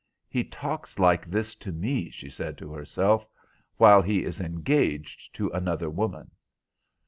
"He talks like this to me," she said to herself, "while he is engaged to another woman."